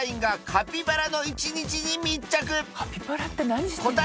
カピバラ。